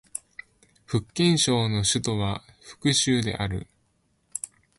福建省の省都は福州である